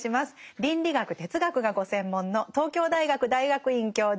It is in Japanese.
倫理学哲学がご専門の東京大学大学院教授山本芳久さんです。